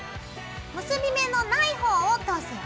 結び目のないほうを通すよ。